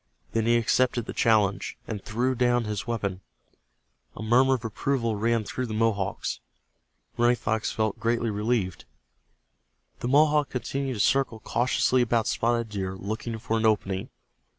Then he accepted the challenge, and threw down his weapon. A murmur of approval ran through the Mohawks. Running Fox felt greatly relieved. The Mohawk continued to circle cautiously about Spotted Deer, looking for an opening.